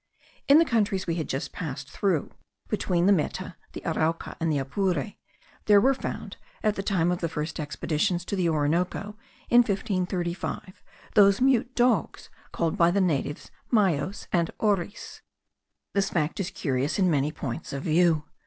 In the countries we had just passed through, between the Meta, the Arauca, and the Apure, there were found, at the time of the first expeditions to the Orinoco, in 1535, those mute dogs, called by the natives maios, and auries. This fact is curious in many points of view.